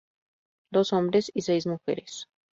Dos hombres y seis mujeres.